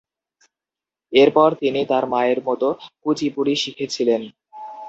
এরপর তিনি তাঁর মায়ের মতো কুচিপুড়ি শিখেছিলেন।